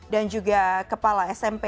dan juga kepala smp